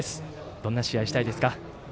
どんな試合をしたいですか？